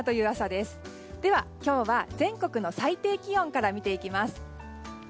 では、今日は全国の最低気温から見ていきます。